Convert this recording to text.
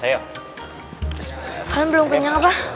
kalian belum kenyang apa